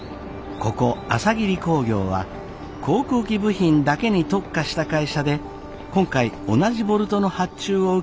ここ朝霧工業は航空機部品だけに特化した会社で今回同じボルトの発注を受けているライバル会社です。